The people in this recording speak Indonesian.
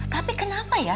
tapi kenapa ya